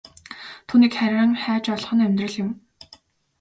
Түүнийг харин хайж олох нь амьдрал юм.